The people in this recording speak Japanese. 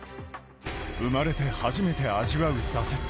生まれて初めて味わう挫折。